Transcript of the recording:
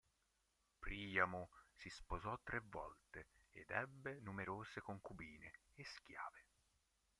Priamo si sposò tre volte ed ebbe numerose concubine e schiave.